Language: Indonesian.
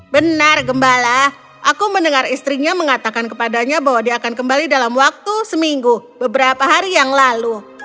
benar gembala aku mendengar istrinya mengatakan kepadanya bahwa dia akan kembali dalam waktu seminggu beberapa hari yang lalu